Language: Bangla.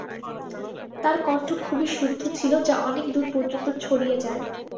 তার কন্ঠ খুবই শুদ্ধ ছিল যা অনেক দূর পর্যন্ত ছড়িয়ে যায়।